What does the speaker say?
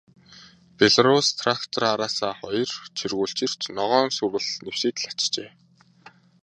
Белорусс трактор араасаа хоёр чиргүүл чирч, ногоон сүрэл нэвсийтэл ачжээ.